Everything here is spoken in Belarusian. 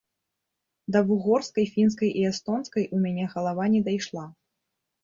Да вугорскай, фінскай і эстонскай у мяне галава не дайшла.